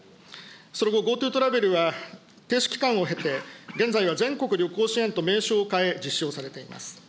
その後、ＧｏＴｏトラベルは、停止期間を経て、現在は全国旅行支援と名称を変え、実施をされています。